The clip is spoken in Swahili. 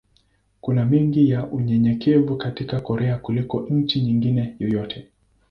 Kuna mengi ya unyenyekevu katika Korea kuliko nchi nyingine yoyote.